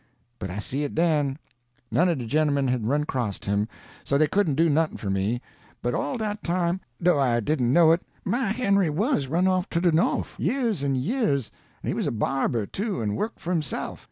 But I see it den. None o' de gemmen had run acrost him, so dey couldn't do nothin' for me. But all dat time, do' I didn't know it, my Henry WAS run off to de Norf, years an' years, an' he was a barber, too, an' worked for hisse'f.